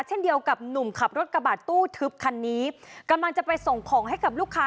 เช่นเดียวกับหนุ่มขับรถกระบาดตู้ทึบคันนี้กำลังจะไปส่งของให้กับลูกค้า